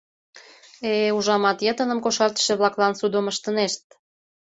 Э-э, ужамат, йытыным кошартыше-влаклан судым ыштынешт.